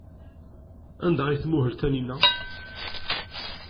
Anda ay tmuhel Taninna?